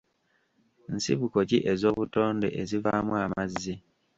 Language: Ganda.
Nsibuko ki ez'obutonde ezivaamu amazzi?